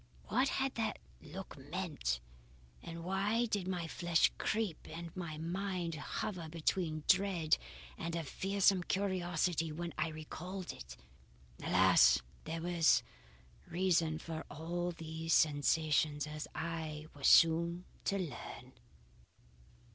What had that look meant and why did my flesh creep and my mind hover between dread and a fearsome curiosity when I recalled it? Alas! There was reason for all these sensations as I was soon to learn.